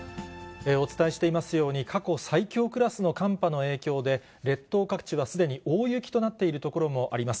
お伝えしていますように、過去最強クラスの寒波の影響で、列島各地はすでに大雪となっている所もあります。